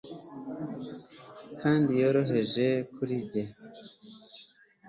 kandi yohereje kuri njye